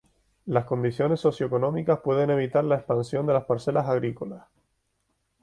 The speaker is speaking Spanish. Las condiciones socioeconómicas pueden evitar la expansión de las parcelas agrícolas.